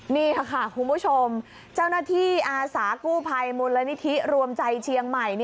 นี่ค่ะคุณผู้ชมเจ้าหน้าที่อาสากู้ภัยมูลนิธิรวมใจเชียงใหม่